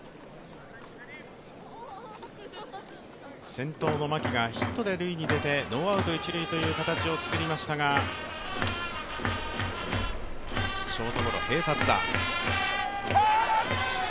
先頭の牧がヒットで塁に出てノーアウト一・二塁という形を作りましたが、ショートゴロ、併殺打。